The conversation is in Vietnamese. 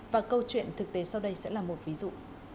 và câu chuyện thực tế sau đây sẽ là một ví dụ